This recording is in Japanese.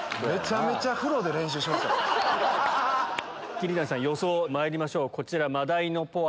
桐谷さん予想まいりましょう。